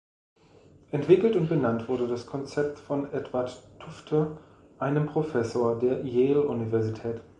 Entwickelt und benannt wurde das Konzept von Edward Tufte, einem Professor der Yale-Universität.